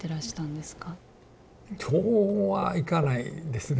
そうはいかないですね。